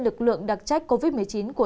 lực lượng đặc trách covid một mươi chín của